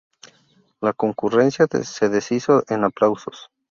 La concurrencia se deshizo en aplausos.